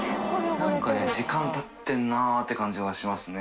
燭時間たってるなって感じはしますね。